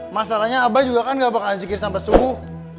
masalahnya abah juga kan gak bakalan zikir sampai subuh